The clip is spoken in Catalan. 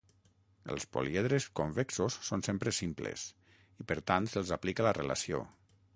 Els poliedres convexos són sempre simples, i per tant se'ls aplica la relació.